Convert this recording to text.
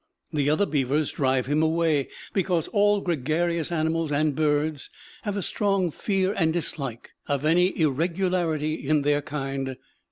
The other beavers drive him away because all gregarious animals and birds have a strong fear and dislike of any irregularity in their kind.